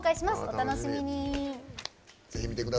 お楽しみに。